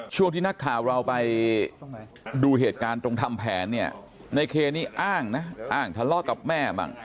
ช่วงที่นักข่าวเราไปดูเหตุการณ์ตรงทำแผนเนี่ยในเคนี่อ้างนะอ้างทะเลาะกับแม่บ้าง